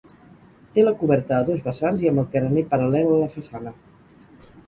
Té la coberta a dos vessants i amb el carener paral·lel a la façana.